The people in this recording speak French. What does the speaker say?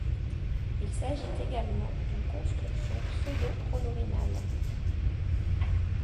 Il s’agit également d’une construction pseudo-pronominale.